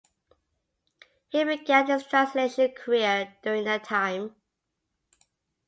He began his translation career during that time.